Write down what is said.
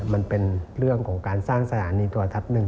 มันเป็นเรื่องของการสร้างสถานีโทรทัศน์หนึ่ง